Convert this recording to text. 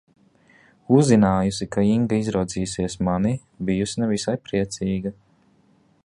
Uzzinājusi, ka Inga izraudzījusies mani, bijusi ne visai priecīga.